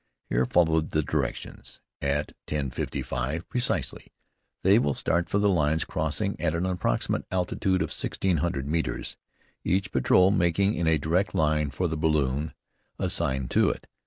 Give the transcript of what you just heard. [Here followed the directions.] At 10.55, precisely, they will start for the lines, crossing at an approximate altitude of sixteen hundred metres, each patrol making in a direct line for the balloon assigned to it.